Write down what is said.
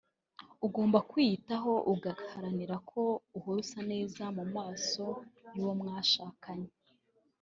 ugomba kwiyitaho ugaharanira ko uhora usa neza mu maso y’uwo mwashakanye